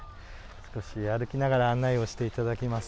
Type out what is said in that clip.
歩きながら案内をしていただきます。